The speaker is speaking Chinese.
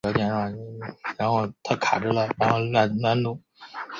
白斑小孔蟾鱼的图片